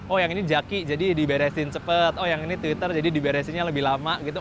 oh yang ini jaki jadi diberesin cepat oh yang ini twitter jadi diberesinnya lebih lama gitu